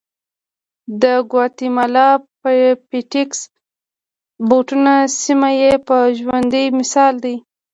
د ګواتیمالا پټېکس باټون سیمه یې یو ژوندی مثال دی